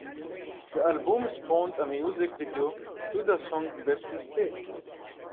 The album spawned a music video to the song "Best Mistake".